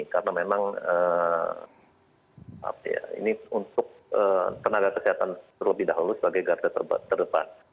karena memang ini untuk tenaga kesehatan terlebih dahulu sebagai garis terdepan